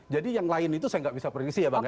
jadi yang lain itu saya nggak bisa prediksi ya bang ya